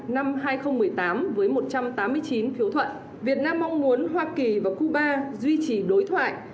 năm hai nghìn một mươi tám với một trăm tám mươi chín phiếu thuận việt nam mong muốn hoa kỳ và cuba duy trì đối thoại